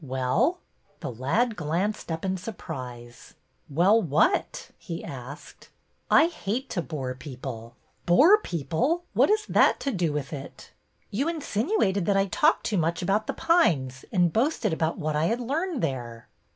Well?" The lad glanced up in surprise. Well what?" he asked. '' I hate to bore people." loo BETTY BAIRD'S VENTURES Bore people? What has that to do with it? " You insinuated that I talked too much about The Pines, and boasted about what I had learned there."